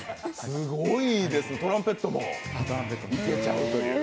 すごいですね、トランペットも弾けちゃうという。